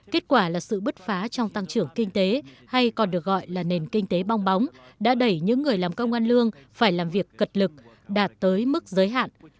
kết quả là sự bứt phá trong tăng trưởng kinh tế hay còn được gọi là nền kinh tế bong bóng đã đẩy những người làm công an lương phải làm việc cật lực đạt tới mức giới hạn